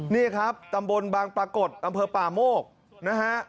นี่ครับตำบลบางปรากฏอำเภอป่าโมกนะฮะ